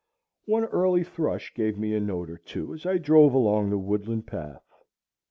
One early thrush gave me a note or two as I drove along the woodland path.